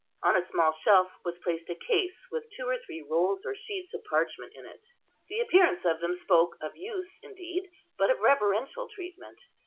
On a small shelf was placed a case with two or three rolls or sheets of parchment in it. The appearance of them spoke of use indeed, but of reverential treatment.